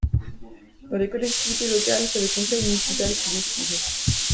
Dans les collectivités locales, c’est le conseil municipal qui décide.